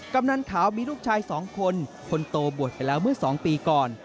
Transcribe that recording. กำนันขาวมีลูกชาย๒คนคนโตบวชไปแล้วเมื่อ๒ปีก่อน